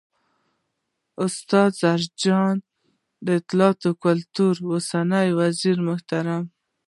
، استاد زرجان، د اطلاعات او کلتور اوسنی وزیرمحترم